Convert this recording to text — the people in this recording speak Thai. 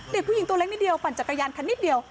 เด็กผู้หญิงตัวเล็กนิดเดียวปั่นจักรยานคันนิดเดียว